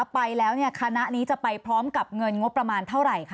ไปแล้วคณะนี้จะไปพร้อมกับเงินงบประมาณเท่าไหร่คะ